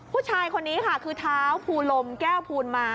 ผู้ชายคนนี้ค่ะคือเท้าภูลมแก้วภูลมา